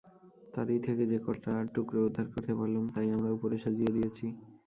তারই থেকে যে-কটা টুকরো উদ্ধার করতে পারলুম তাই আমরা উপরে সাজিয়ে দিয়েছি।